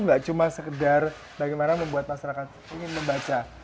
nggak cuma sekedar bagaimana membuat masyarakat ingin membaca